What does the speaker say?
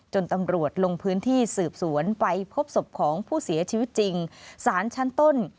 ตำรวจลงพื้นที่สืบสวนไปพบศพของผู้เสียชีวิตจริงสารชั้นต้น